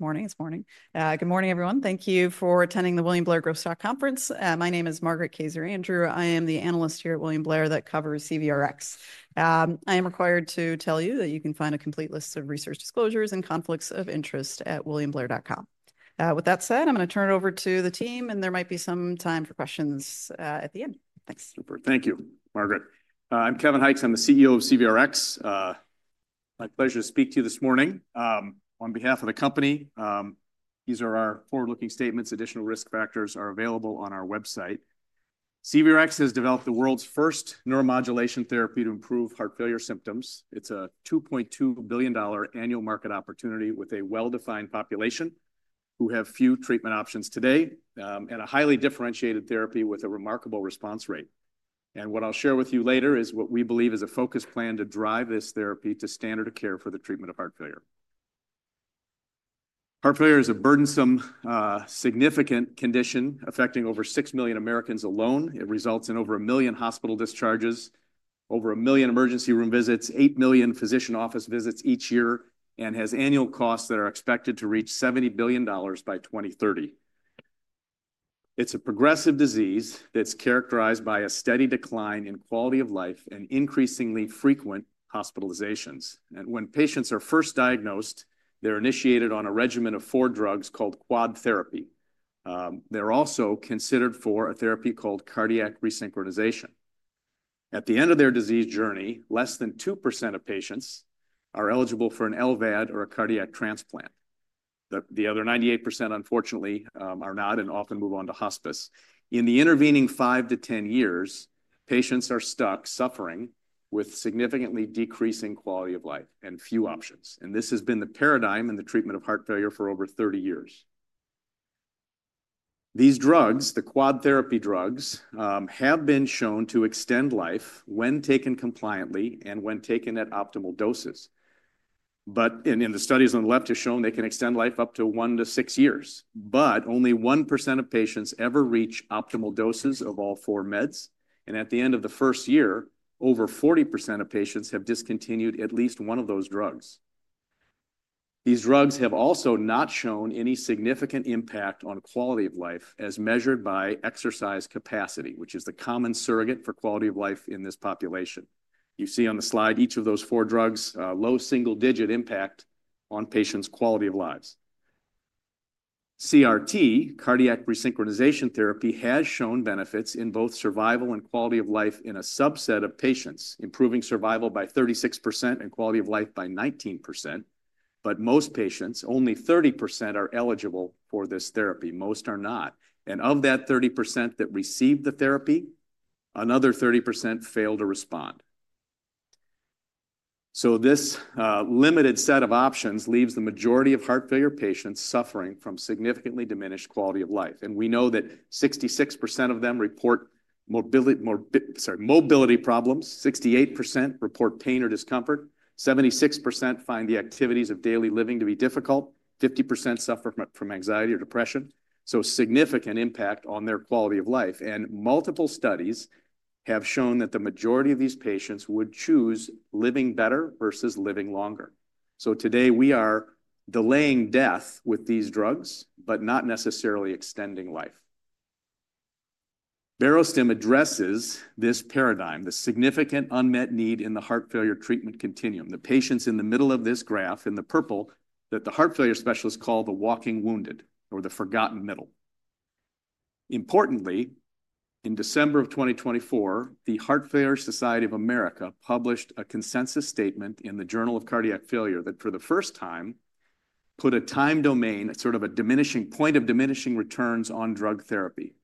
Good morning, everyone. Thank you for attending the William Blair Growth Stock Conference. My name is Margaret Kayser Andrew, I am the analyst here at William Blair that covers CVRx. I am required to tell you that you can find a complete list of research disclosures and conflicts of interest at williamblair.com. With that said, I'm going to turn it over to the team, and there might be some time for questions at the end. Thanks. Super. Thank you, Margaret. I'm Kevin Hykes. I'm the CEO of CVRx. My pleasure to speak to you this morning on behalf of the company. These are our forward-looking statements. Additional risk factors are available on our website. CVRx has developed the world's first neuromodulation therapy to improve heart failure symptoms. It's a $2.2 billion annual market opportunity with a well-defined population who have few treatment options today, and a highly differentiated therapy with a remarkable response rate. What I'll share with you later is what we believe is a focused plan to drive this therapy to standard of care for the treatment of heart failure. Heart failure is a burdensome, significant condition affecting over 6 million Americans alone. It results in over a million hospital discharges, over a million emergency room visits, 8 million physician office visits each year, and has annual costs that are expected to reach $70 billion by 2030. It is a progressive disease that is characterized by a steady decline in quality of life and increasingly frequent hospitalizations. When patients are first diagnosed, they are initiated on a regimen of four drugs called quad therapy. They are also considered for a therapy called cardiac resynchronization. At the end of their disease journey, less than 2% of patients are eligible for an LVAD or a cardiac transplant. The other 98%, unfortunately, are not and often move on to hospice. In the intervening 5-10 years, patients are stuck suffering with significantly decreasing quality of life and few options. This has been the paradigm in the treatment of heart failure for over 30 years. These drugs, the quad therapy drugs, have been shown to extend life when taken compliantly and when taken at optimal doses. In the studies on the left to show they can extend life up to 1-6 years, but only 1% of patients ever reach optimal doses of all four meds. At the end of the first year, over 40% of patients have discontinued at least one of those drugs. These drugs have also not shown any significant impact on quality of life as measured by exercise capacity, which is the common surrogate for quality of life in this population. You see on the slide each of those four drugs low single-digit impact on patients' quality of lives. CRT, cardiac resynchronization therapy, has shown benefits in both survival and quality of life in a subset of patients, improving survival by 36% and quality of life by 19%. Most patients, only 30%, are eligible for this therapy. Most are not and on that 30% that received the therapy, another 30% failed to respond. This limited set of options leaves the majority of heart failure patients suffering from significantly diminished quality of life. We know that 66% of them report mobility, sorry, mobility problems. 68% report pain or discomfort. 76% find the activities of daily living to be difficult. 50% suffer from anxiety or depression. Significant impact on their quality of life. Multiple studies have shown that the majority of these patients would choose living better versus living longer. Today we are delaying death with these drugs, but not necessarily extending life. Barostim addresses this paradigm, the significant unmet need in the heart failure treatment continuum. The patients in the middle of this graph in the purple that the heart failure specialists call the walking wounded or the forgotten middle. Importantly, in December of 2024, the Heart Failure Society of America published a consensus statement in the Journal of Cardiac Failure that for the first time put a time domain, sort of a point of diminishing returns on drug therapy.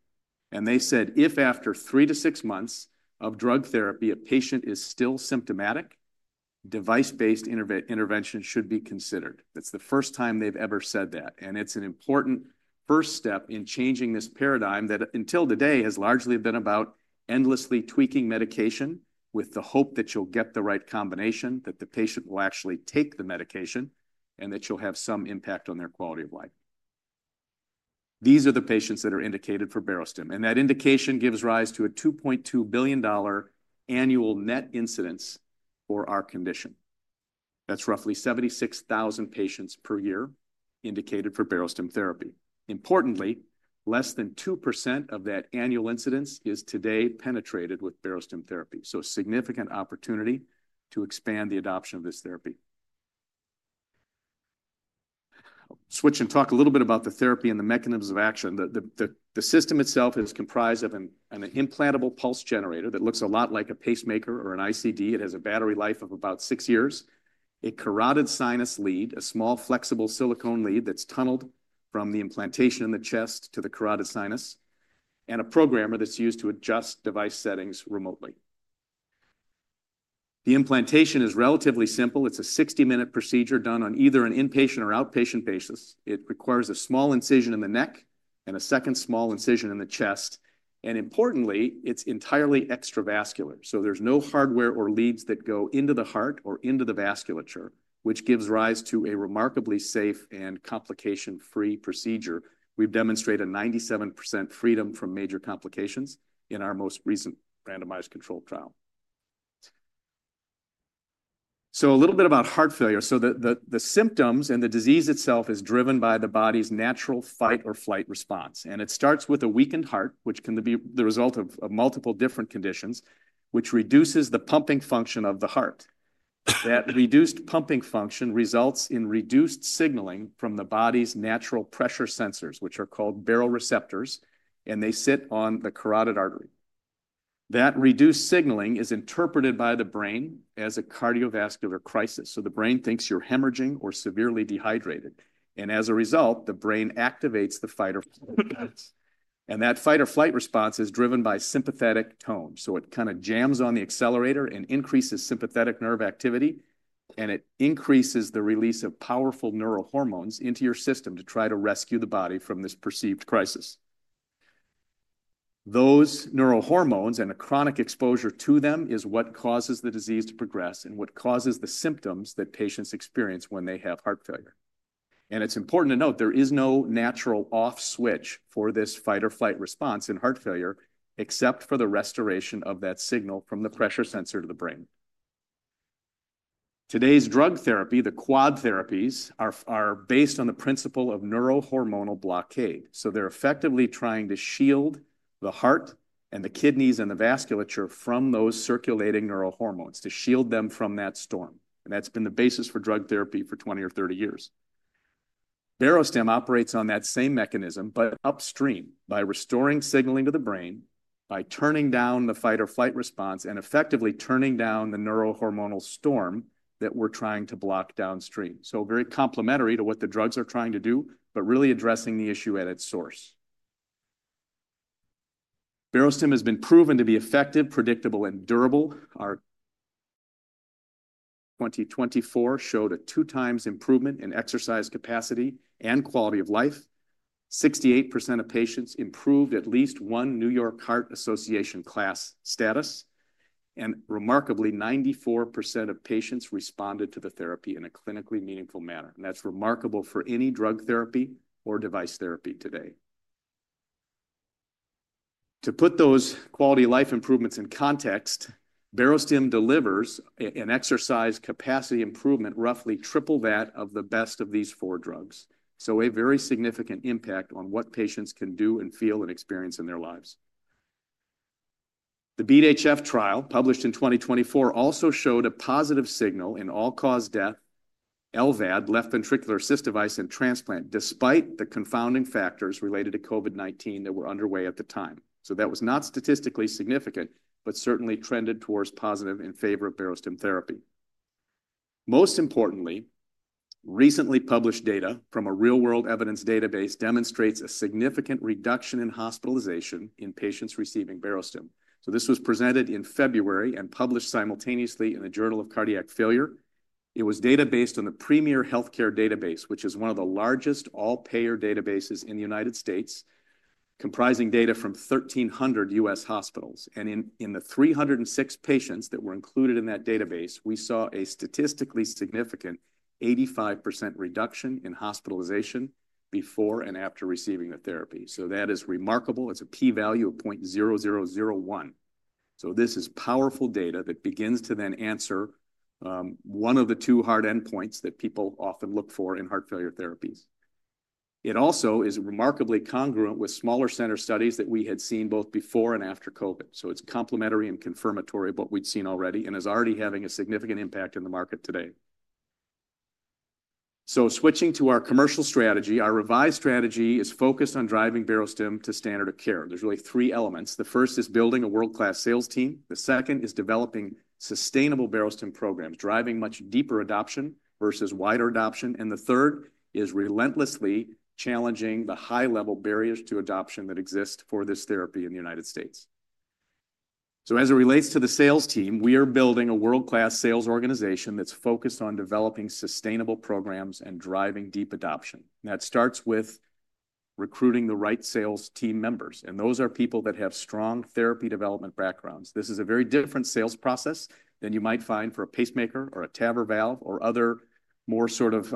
They said if after 3-6 months of drug therapy a patient is still symptomatic, device-based intervention should be considered. That's the first time they've ever said that. It's an important first step in changing this paradigm that until today has largely been about endlessly tweaking medication with the hope that you'll get the right combination, that the patient will actually take the medication, and that you'll have some impact on their quality of life. These are the patients that are indicated for Barostim. And that indication gives rise to a $2.2 billion annual net incidence for our condition. That's roughly 76,000 patients per year indicated for Barostim therapy. Importantly, less than 2% of that annual incidence is today penetrated with Barostim therapy. So significant opportunity to expand the adoption of this therapy. Switch and talk a little bit about the therapy and the mechanisms of action. The system itself is comprised of an implantable pulse generator that looks a lot like a pacemaker or an ICD. It has a battery life of about 6 years. A carotid sinus lead, a small flexible silicone lead that's tunneled from the implantation in the chest to the carotid sinus, and a programmer that's used to adjust device settings remotely. The implantation is relatively simple. It's a 60-minute procedure done on either an inpatient or outpatient basis. It requires a small incision in the neck and a second small incision in the chest. Importantly, it's entirely extravascular. There is no hardware or leads that go into the heart or into the vasculature, which gives rise to a remarkably safe and complication-free procedure. We've demonstrated a 97% freedom from major complications in our most recent randomized controlled trial. A little bit about heart failure. The symptoms and the disease itself are driven by the body's natural fight or flight response. It starts with a weakened heart, which can be the result of multiple different conditions, which reduces the pumping function of the heart. That reduced pumping function results in reduced signaling from the body's natural pressure sensors, which are called baroreceptors, and they sit on the carotid artery. That reduced signaling is interpreted by the brain as a cardiovascular crisis. The brain thinks you're hemorrhaging or severely dehydrated. As a result, the brain activates the fight or flight response. That fight or flight response is driven by sympathetic tone. It kind of jams on the accelerator and increases sympathetic nerve activity, and it increases the release of powerful neural hormones into your system to try to rescue the body from this perceived crisis. Those neural hormones and a chronic exposure to them is what causes the disease to progress and what causes the symptoms that patients experience when they have heart failure. It's important to note there is no natural off switch for this fight or flight response in heart failure except for the restoration of that signal from the pressure sensor to the brain. Today's drug therapy, the quad therapies, are based on the principle of neurohormonal blockade. They are effectively trying to shield the heart and the kidneys and the vasculature from those circulating neural hormones to shield them from that storm. That has been the basis for drug therapy for 20 or 30 years. Barostim operates on that same mechanism, but upstream by restoring signaling to the brain, by turning down the fight or flight response and effectively turning down the neurohormonal storm that we are trying to block downstream. Very complementary to what the drugs are trying to do, but really addressing the issue at its source. Barostim has been proven to be effective, predictable, and durable. Our 2024 data showed a two-times improvement in exercise capacity and quality of life. 68% of patients improved at least one New York Heart Association Class status. Remarkably, 94% of patients responded to the therapy in a clinically meaningful manner. That's remarkable for any drug therapy or device therapy today. To put those quality of life improvements in context, Barostim delivers an exercise capacity improvement roughly triple that of the best of these four drugs. A very significant impact on what patients can do and feel and experience in their lives. The BDHF trial published in 2024 also showed a positive signal in all-cause death, LVAD, left ventricular assist device, and transplant, despite the confounding factors related to COVID-19 that were underway at the time. That was not statistically significant, but certainly trended towards positive in favor of Barostim therapy. Most importantly, recently published data from a real-world evidence database demonstrates a significant reduction in hospitalization in patients receiving Barostim. This was presented in February and published simultaneously in the Journal of Cardiac Failure. It was data based on the Premier Healthcare Database, which is one of the largest all-payer databases in the U.S., comprising data from 1,300 U.S. hospitals. In the 306 patients that were included in that database, we saw a statistically significant 85% reduction in hospitalization before and after receiving the therapy. That is remarkable. It's a p-value of 0.0001. This is powerful data that begins to then answer one of the two hard endpoints that people often look for in heart failure therapies. It also is remarkably congruent with smaller center studies that we had seen both before and after COVID. It's complementary and confirmatory of what we'd seen already and is already having a significant impact in the market today. Switching to our commercial strategy, our revised strategy is focused on driving Barostim to standard of care. There are really three elements. The first is building a world-class sales team. The second is developing sustainable Barostim programs, driving much deeper adoption versus wider adoption. The third is relentlessly challenging the high-level barriers to adoption that exist for this therapy in the U.S. As it relates to the sales team, we are building a world-class sales organization that's focused on developing sustainable programs and driving deep adoption. That starts with recruiting the right sales team members. Those are people that have strong therapy development backgrounds. This is a very different sales process than you might find for a pacemaker or a TAVR valve or other more sort of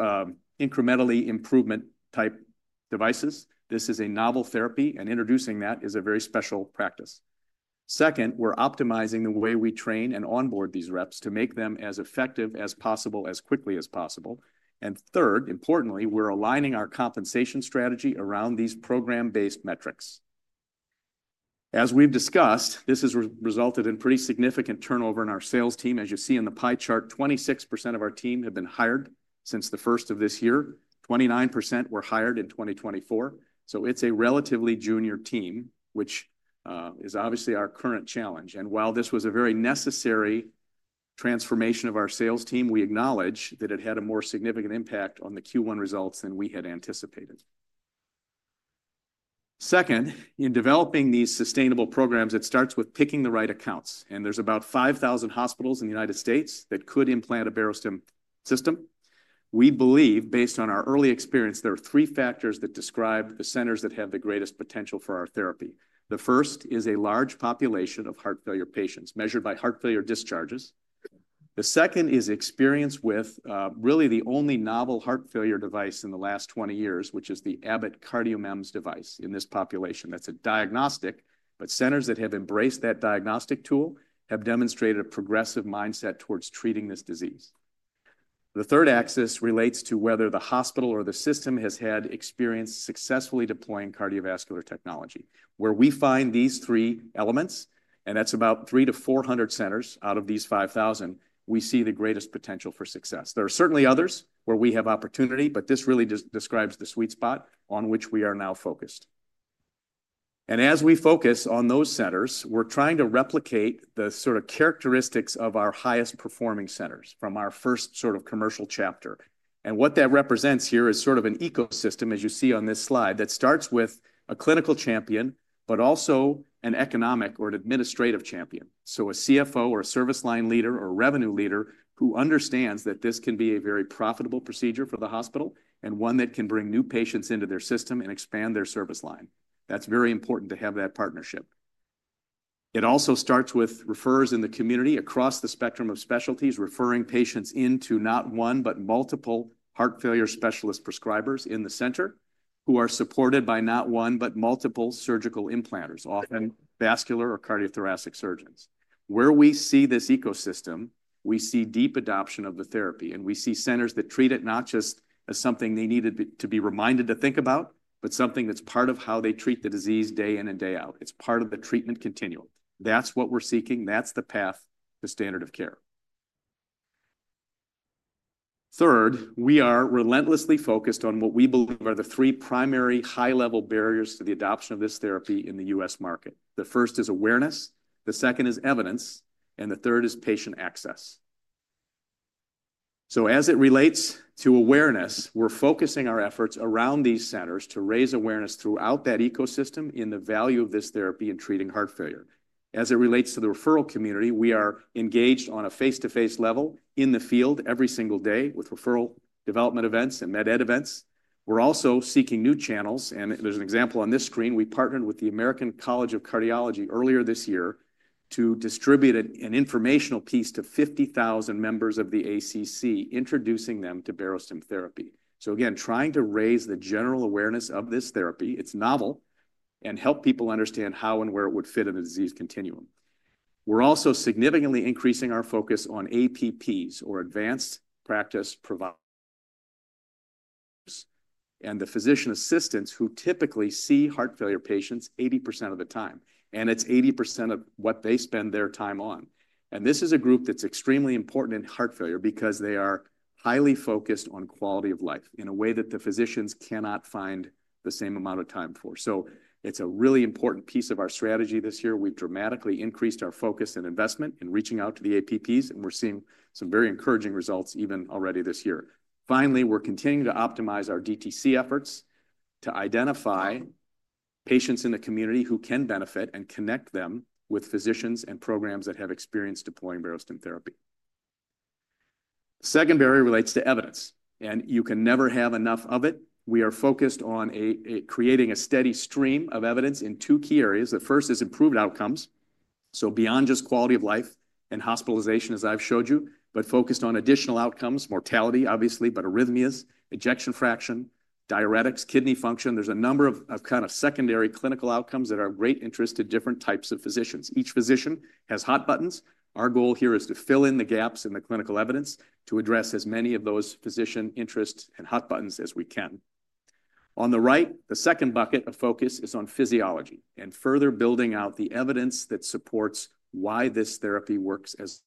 incrementally improvement type devices. This is a novel therapy, and introducing that is a very special practice. Second, we're optimizing the way we train and onboard these reps to make them as effective as possible as quickly as possible. Third, importantly, we're aligning our compensation strategy around these program-based metrics. As we've discussed, this has resulted in pretty significant turnover in our sales team. As you see in the pie chart, 26% of our team have been hired since the first of this year. 29% were hired in 2024. It is a relatively junior team, which is obviously our current challenge. While this was a very necessary transformation of our sales team, we acknowledge that it had a more significant impact on the Q1 results than we had anticipated. Second, in developing these sustainable programs, it starts with picking the right accounts. There are about 5,000 hospitals in the U.S. that could implant a Barostim system. We believe, based on our early experience, there are three factors that describe the centers that have the greatest potential for our therapy. The first is a large population of heart failure patients measured by heart failure discharges. The second is experience with really the only novel heart failure device in the last 20 years, which is the Abbott CardioMEMS device in this population. That is a diagnostic, but centers that have embraced that diagnostic tool have demonstrated a progressive mindset towards treating this disease. The third axis relates to whether the hospital or the system has had experience successfully deploying cardiovascular technology. Where we find these three elements, and that is about 300-400 centers out of these 5,000, we see the greatest potential for success. There are certainly others where we have opportunity, but this really describes the sweet spot on which we are now focused. As we focus on those centers, we're trying to replicate the sort of characteristics of our highest performing centers from our first sort of commercial chapter. What that represents here is sort of an ecosystem, as you see on this slide, that starts with a clinical champion, but also an economic or an administrative champion. A CFO or a service line leader or a revenue leader who understands that this can be a very profitable procedure for the hospital and one that can bring new patients into their system and expand their service line. That's very important to have that partnership. It also starts with refers in the community across the spectrum of specialties, referring patients into not one, but multiple heart failure specialist prescribers in the center who are supported by not one, but multiple surgical implanters, often vascular or cardiothoracic surgeons. Where we see this ecosystem, we see deep adoption of the therapy, and we see centers that treat it not just as something they needed to be reminded to think about, but something that's part of how they treat the disease day in and day out. It's part of the treatment continuum. That's what we're seeking. That's the path to standard of care. Third, we are relentlessly focused on what we believe are the three primary high-level barriers to the adoption of this therapy in the U.S. market. The first is awareness. The second is evidence. And the third is patient access. As it relates to awareness, we're focusing our efforts around these centers to raise awareness throughout that ecosystem in the value of this therapy in treating heart failure. As it relates to the referral community, we are engaged on a face-to-face level in the field every single day with referral development events and MedEd events. We're also seeking new channels. There's an example on this screen. We partnered with the American College of Cardiology earlier this year to distribute an informational piece to 50,000 members of the ACC, introducing them to Barostim therapy. Again, trying to raise the general awareness of this therapy, it's novel, and help people understand how and where it would fit in the disease continuum. We're also significantly increasing our focus on APPs or Advanced Practice Providers and the physician assistants who typically see heart failure patients 80% of the time. It is 80% of what they spend their time on. This is a group that is extremely important in heart failure because they are highly focused on quality of life in a way that the physicians cannot find the same amount of time for. It is a really important piece of our strategy this year. We have dramatically increased our focus and investment in reaching out to the APPs, and we are seeing some very encouraging results even already this year. Finally, we are continuing to optimize our DTC efforts to identify patients in the community who can benefit and connect them with physicians and programs that have experience deploying Barostim therapy. The second barrier relates to evidence, and you can never have enough of it. We are focused on creating a steady stream of evidence in two key areas. The first is improved outcomes. Beyond just quality of life and hospitalization, as I've showed you, but focused on additional outcomes, mortality, obviously, but arrhythmias, ejection fraction, diuretics, kidney function. There is a number of kind of secondary clinical outcomes that are of great interest to different types of physicians. Each physician has hot buttons. Our goal here is to fill in the gaps in the clinical evidence to address as many of those physician interests and hot buttons as we can. On the right, the second bucket of focus is on physiology and further building out the evidence that supports why this therapy works as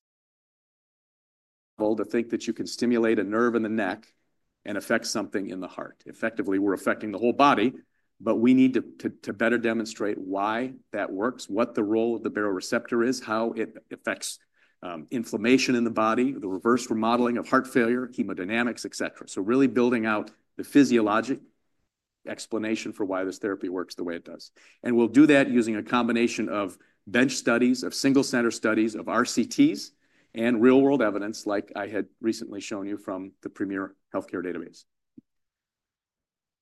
well to think that you can stimulate a nerve in the neck and affect something in the heart. Effectively, we're affecting the whole body, but we need to better demonstrate why that works, what the role of the baroreceptor is, how it affects inflammation in the body, the reverse remodeling of heart failure, hemodynamics, etc. Really building out the physiologic explanation for why this therapy works the way it does. We'll do that using a combination of bench studies, single-center studies, RCTs, and real-world evidence, like I had recently shown you from the Premier Healthcare Database.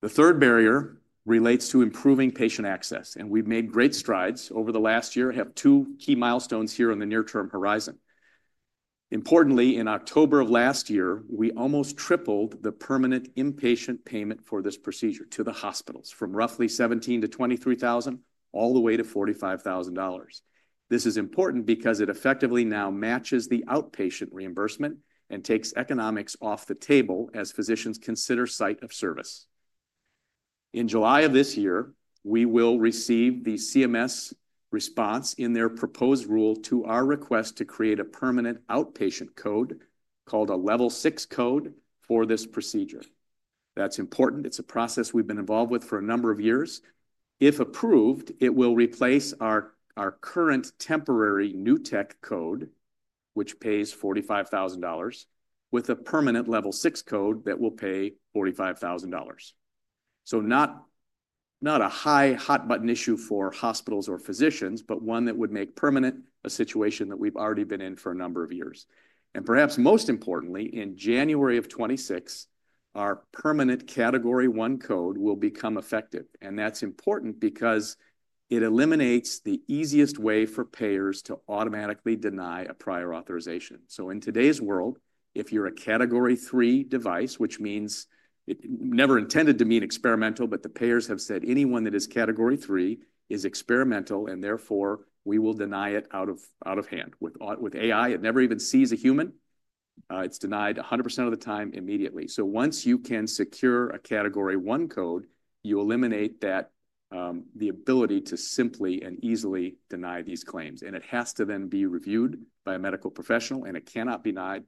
The third barrier relates to improving patient access. We've made great strides over the last year, have two key milestones here on the near-term horizon. Importantly, in October of last year, we almost tripled the permanent inpatient payment for this procedure to the hospitals from roughly $17,000-$23,000, all the way to $45,000. This is important because it effectively now matches the outpatient reimbursement and takes economics off the table as physicians consider site of service. In July of this year, we will receive the CMS response in their proposed rule to our request to create a permanent outpatient code called a level six code for this procedure. That's important. It's a process we've been involved with for a number of years. If approved, it will replace our current temporary new tech code, which pays $45,000, with a permanent level six code that will pay $45,000. Not a high hot button issue for hospitals or physicians, but one that would make permanent a situation that we've already been in for a number of years. Perhaps most importantly, in January of 2026, our permanent category one code will become effective. That is important because it eliminates the easiest way for payers to automatically deny a prior authorization. In today's world, if you are a category three device, which means it never intended to mean experimental, but the payers have said anyone that is category three is experimental, and therefore we will deny it out of hand. With AI, it never even sees a human. It is denied 100% of the time immediately. Once you can secure a category one code, you eliminate the ability to simply and easily deny these claims. It has to then be reviewed by a medical professional, and it cannot be denied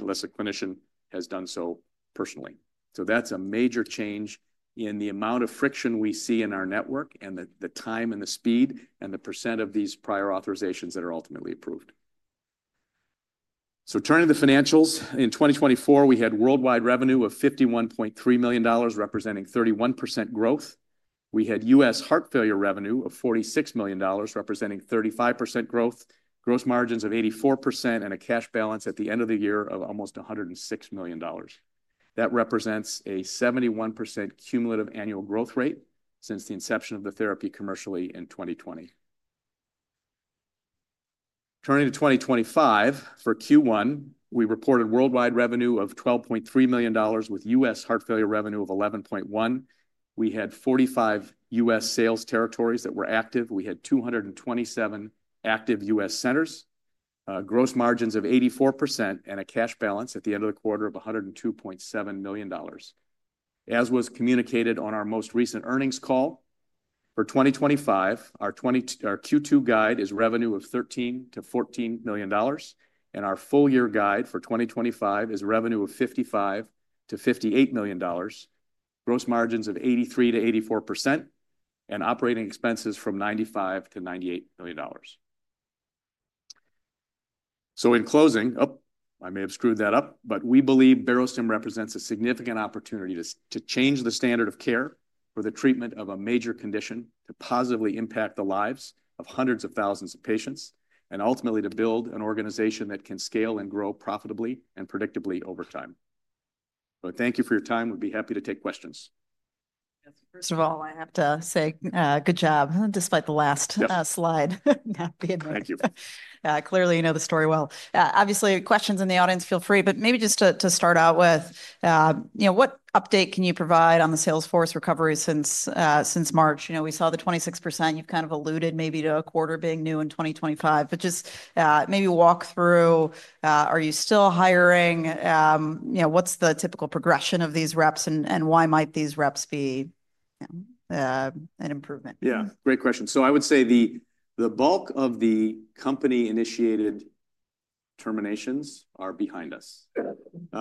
unless a clinician has done so personally. That is a major change in the amount of friction we see in our network and the time and the speed and the percent of these prior authorizations that are ultimately approved. Turning to financials, in 2024, we had worldwide revenue of $51.3 million, representing 31% growth. We had U.S. heart failure revenue of $46 million, representing 35% growth, gross margins of 84%, and a cash balance at the end of the year of almost $106 million. That represents a 71% cumulative annual growth rate since the inception of the therapy commercially in 2020. Turning to 2025, for Q1, we reported worldwide revenue of $12.3 million with U.S. heart failure revenue of $11.1 million. We had 45 U.S. sales territories that were active. We had 227 active U.S. centers, gross margins of 84%, and a cash balance at the end of the quarter of $102.7 million. As was communicated on our most recent earnings call for 2025, our Q2 guide is revenue of $13 million -$14 million, and our full year guide for 2025 is revenue of $55 million-$58 million, gross margins of 83%-84%, and operating expenses from $95 million-$98 million. In closing, oh, I may have screwed that up, but we believe Barostim represents a significant opportunity to change the standard of care for the treatment of a major condition to positively impact the lives of hundreds of thousands of patients and ultimately to build an organization that can scale and grow profitably and predictably over time. Thank you for your time. We'd be happy to take questions. First of all, I have to say good job despite the last slide. Thank you. Clearly, you know the story well. Obviously, questions in the audience, feel free. Maybe just to start out with, you know, what update can you provide on the Salesforce recovery since March?. You know, we saw the 26%. You've kind of alluded maybe to a quarter being new in 2025, but just maybe walk through, are you still hiring?. You know, what's the typical progression of these reps and why might these reps be an improvement?. Yeah, great question. I would say the bulk of the company-initiated terminations are behind us.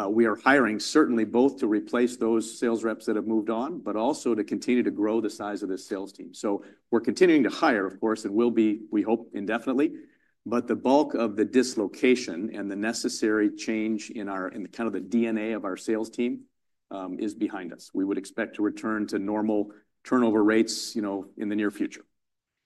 We are hiring certainly both to replace those sales reps that have moved on, but also to continue to grow the size of this sales team. We're continuing to hire, of course, and we hope, indefinitely. The bulk of the dislocation and the necessary change in our kind of the DNA of our sales team is behind us. We would expect to return to normal turnover rates, you know, in the near future.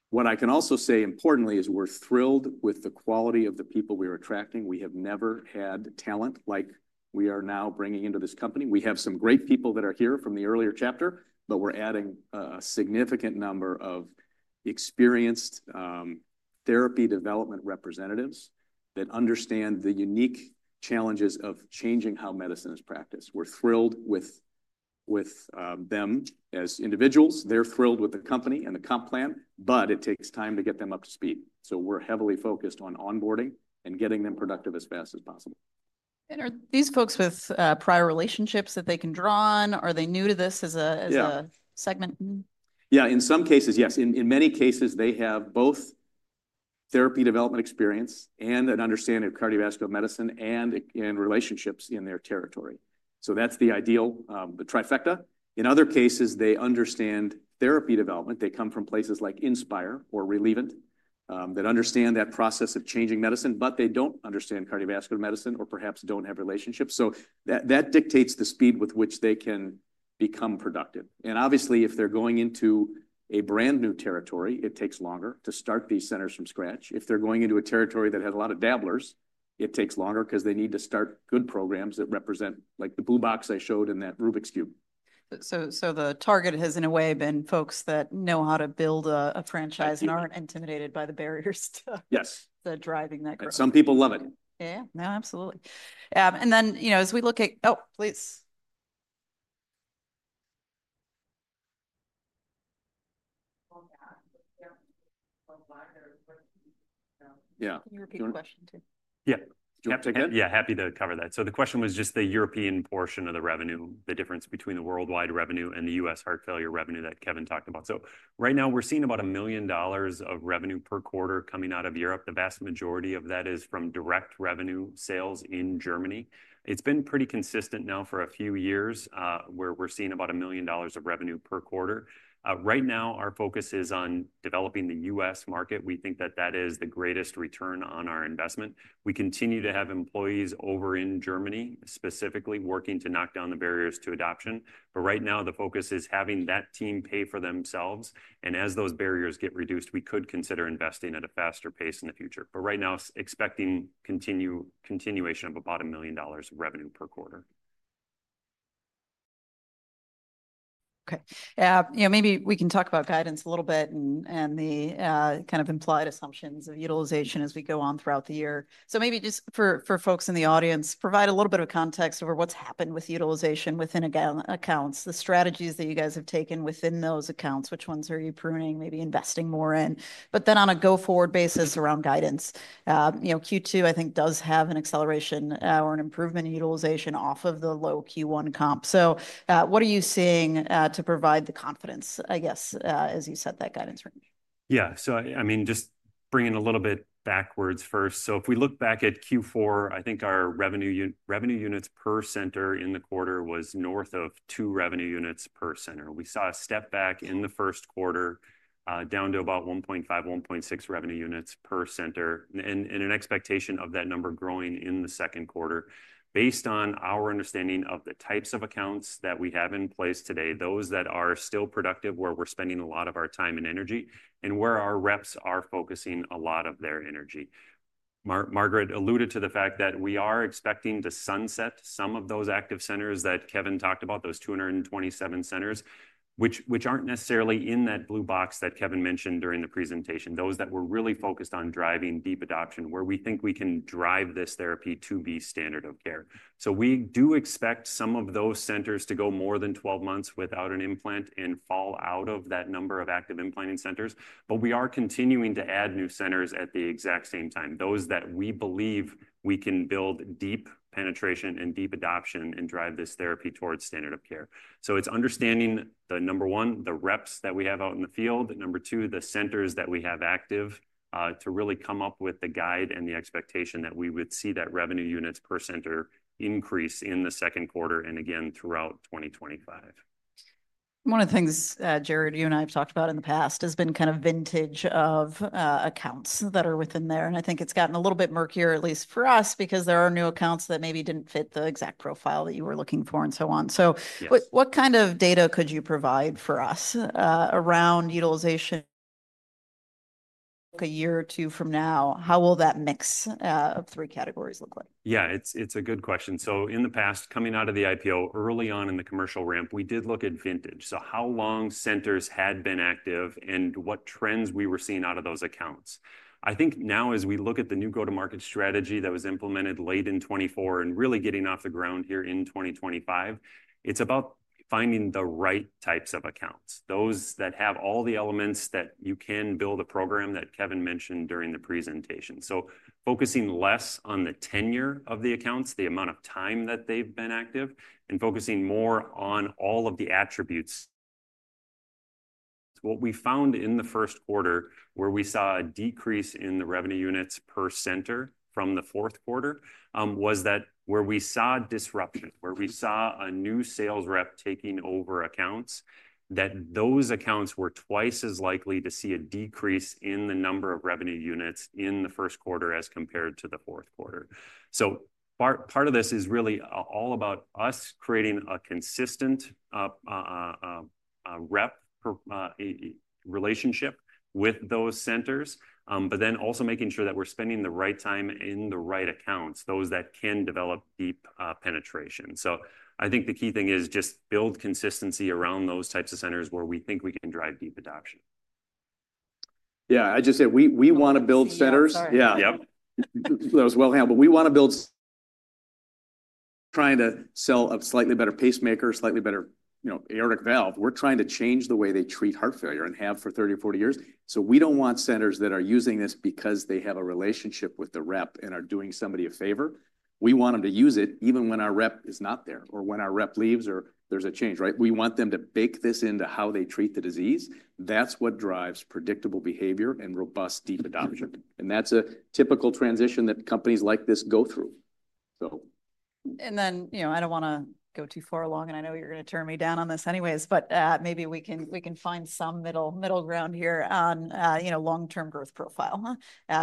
What I can also say importantly is we're thrilled with the quality of the people we are attracting. We have never had talent like we are now bringing into this company. We have some great people that are here from the earlier chapter, but we're adding a significant number of experienced therapy development representatives that understand the unique challenges of changing how medicine is practiced. We're thrilled with them as individuals. They're thrilled with the company and the comp plan, but it takes time to get them up to speed. We are heavily focused on onboarding and getting them productive as fast as possible. And are these folks with prior relationships that they can draw on?. Are they new to this as a segment?. Yeah, in some cases, yes. In many cases, they have both therapy development experience and an understanding of cardiovascular medicine and relationships in their territory. That's the ideal, the trifecta. In other cases, they understand therapy development. They come from places like Inspire or Relievant that understand that process of changing medicine, but they don't understand cardiovascular medicine or perhaps don't have relationships. That dictates the speed with which they can become productive. Obviously, if they're going into a brand new territory, it takes longer to start these centers from scratch. If they're going into a territory that has a lot of dabblers, it takes longer because they need to start good programs that represent like the blue box I showed in that Rubik's Cube. The target has, in a way, been folks that know how to build a franchise and aren't intimidated by the barriers to driving that growth. Some people love it. Yeah, no, absolutely. And then, you know, as we look at, oh, please. Yeah. Can you repeat the question too? Yeah. Do you want to take it? Yeah, happy to cover that. So the question was just the European portion of the revenue, the difference between the worldwide revenue and the U.S. heart failure revenue that Kevin talked about. Right now, we're seeing about $1 million of revenue per quarter coming out of Europe. The vast majority of that is from direct revenue sales in Germany. It's been pretty consistent now for a few years where we're seeing about $1 million of revenue per quarter. Right now, our focus is on developing the U.S. market. We think that that is the greatest return on our investment. We continue to have employees over in Germany, specifically working to knock down the barriers to adoption. Right now, the focus is having that team pay for themselves. As those barriers get reduced, we could consider investing at a faster pace in the future. Right now, expecting continuation of about $1 million of revenue per quarter. Okay. Yeah, you know, maybe we can talk about guidance a little bit and the kind of implied assumptions of utilization as we go on throughout the year. Maybe just for folks in the audience, provide a little bit of context over what's happened with utilization within accounts, the strategies that you guys have taken within those accounts. Which ones are you pruning, maybe investing more in? On a go-forward basis around guidance, you know, Q2, I think, does have an acceleration or an improvement in utilization off of the low Q1 comp. What are you seeing to provide the confidence, I guess, as you set that guidance range? Yeah, I mean, just bringing a little bit backwards first. If we look back at Q4, I think our revenue units per center in the quarter was north of two revenue units per center. We saw a step back in the first quarter down to about 1.5-1.6 revenue units per center and an expectation of that number growing in the second quarter. Based on our understanding of the types of accounts that we have in place today, those that are still productive, where we're spending a lot of our time and energy, and where our reps are focusing a lot of their energy. Margaret alluded to the fact that we are expecting to sunset some of those active centers that Kevin talked about, those 227 centers, which aren't necessarily in that blue box that Kevin mentioned during the presentation, those that were really focused on driving deep adoption, where we think we can drive this therapy to be standard of care. We do expect some of those centers to go more than 12 months without an implant and fall out of that number of active implanting centers. We are continuing to add new centers at the exact same time, those that we believe we can build deep penetration and deep adoption and drive this therapy towards standard of care. It's understanding the number one, the reps that we have out in the field. Number two, the centers that we have active to really come up with the guide and the expectation that we would see that revenue units per center increase in the second quarter and again throughout 2025. One of the things, Jared, you and I have talked about in the past has been kind of vintage of accounts that are within there. I think it's gotten a little bit murkier, at least for us, because there are new accounts that maybe didn't fit the exact profile that you were looking for and so on. What kind of data could you provide for us around utilization a year or two from now? How will that mix of three categories look like? Yeah, it's a good question. In the past, coming out of the IPO early on in the commercial ramp, we did look at vintage. How long centers had been active and what trends we were seeing out of those accounts. I think now, as we look at the new go-to-market strategy that was implemented late in 2024 and really getting off the ground here in 2025, it's about finding the right types of accounts, those that have all the elements that you can build a program that Kevin mentioned during the presentation. Focusing less on the tenure of the accounts, the amount of time that they've been active, and focusing more on all of the attributes. What we found in the first quarter, where we saw a decrease in the revenue units per center from the fourth quarter, was that where we saw disruption, where we saw a new sales rep taking over accounts, those accounts were twice as likely to see a decrease in the number of revenue units in the first quarter as compared to the fourth quarter. Part of this is really all about us creating a consistent rep relationship with those centers, but then also making sure that we're spending the right time in the right accounts, those that can develop deep penetration. I think the key thing is just build consistency around those types of centers where we think we can drive deep adoption. Yeah, I just said we want to build centers. Yeah. Yep. That was well handled. We want to build trying to sell a slightly better pacemaker, slightly better, you know, aortic valve. We are trying to change the way they treat heart failure and have for 30 or 40 years. We do not want centers that are using this because they have a relationship with the rep and are doing somebody a favor. We want them to use it even when our rep is not there or when our rep leaves or there is a change, right?. We want them to bake this into how they treat the disease. That is what drives predictable behavior and robust deep adoption. That is a typical transition that companies like this go through. You know, I do not want to go too far along, and I know you are going to turn me down on this anyways, but maybe we can find some middle ground here on, you know, long-term growth profile,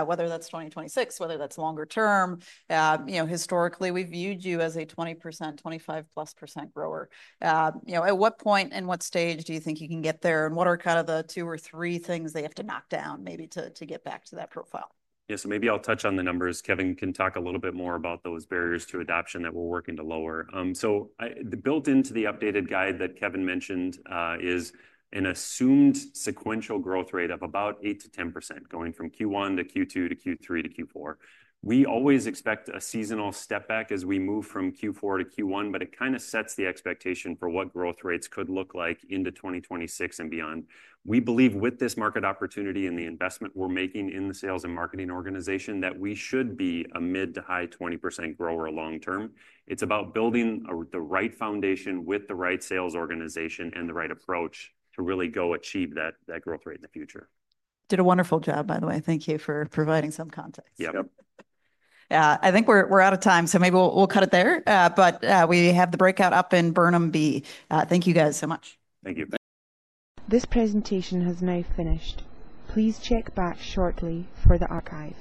whether that is 2026, whether that is longer term. You know, historically, we have viewed you as a 20%-25% plus grower. You know, at what point and what stage do you think you can get there? And what are kind of the two or three things they have to knock down maybe to get back to that profile? Yeah, so maybe I will touch on the numbers. Kevin can talk a little bit more about those barriers to adoption that we are working to lower. Built into the updated guide that Kevin mentioned is an assumed sequential growth rate of about 8%-10% going from Q1 to Q2 to Q3 to Q4. We always expect a seasonal step back as we move from Q4 to Q1, but it kind of sets the expectation for what growth rates could look like into 2026 and beyond. We believe with this market opportunity and the investment we're making in the sales and marketing organization that we should be a mid to high 20% grower long term. It's about building the right foundation with the right sales organization and the right approach to really go achieve that growth rate in the future. Did a wonderful job, by the way. Thank you for providing some context. Yep. Yeah, I think we're out of time, so maybe we'll cut it there. We have the breakout up in Burnham B. Thank you guys so much. Thank you. This presentation has now finished. Please check back shortly for the archive.